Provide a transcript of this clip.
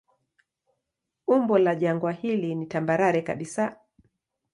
Umbo la jangwa hili ni tambarare kabisa.